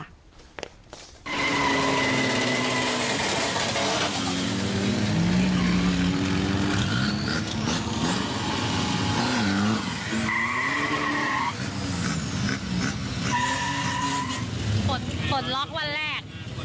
ปลดล็อกวันแรก